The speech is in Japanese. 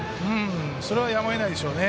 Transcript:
それはやむを得ないでしょうね。